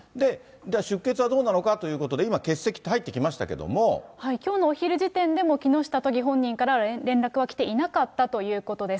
出欠はどうなのかということで、今、欠席と入ってきましたけれどきょうのお昼時点でも木下都議本人から連絡は来ていなかったということです。